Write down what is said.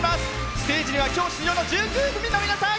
ステージには今日、出場の１９組の皆さん。